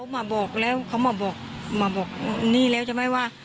มาบอกตอนนี้เลยว่า